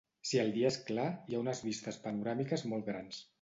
Si el dia és clar, hi ha unes vistes panoràmiques molt grans.